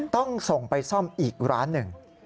ต้องส่งไปซ่อมอีกร้านหนึ่ง